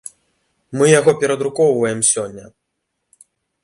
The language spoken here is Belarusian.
Мы яго перадрукоўваем сёння.